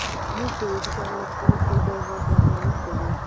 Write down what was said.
موږ پوهېدو چې هغه له خپلو خلکو او هېواد سره خیانت کوي.